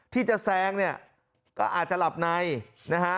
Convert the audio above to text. ที่จะแซงเนี่ยก็อาจจะหลับในนะฮะ